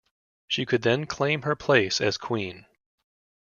She could then claim her place as queen.